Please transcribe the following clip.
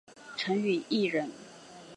陈与义人。